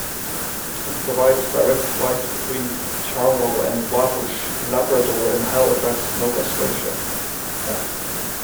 It provides direct flights between Charlo and Wabush, Labrador and Halifax, Nova Scotia.